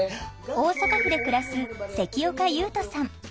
大阪府で暮らす関岡勇人さん。